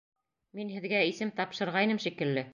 Мин һеҙгә исем тапшырғайным шикелле.